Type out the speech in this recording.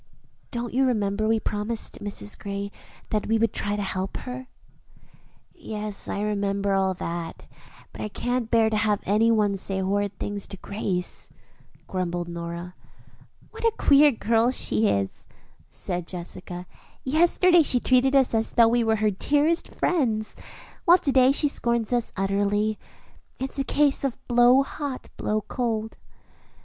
"Don't you remember we promised Mrs. Gray that we would try to help her?" "Yes, I remember all that; but I can't bear to have any one say horrid things to Grace," grumbled Nora. "What a queer girl she is," said Jessica. "Yesterday she treated us as though we were her dearest friends, while to day she scorns us utterly. It's a case of 'blow hot, blow cold.'"